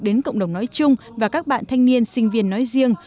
đến cộng đồng nói chung và các bạn thanh niên sinh viên nói riêng